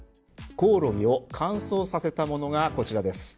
コオロギを乾燥させたものがこちらです。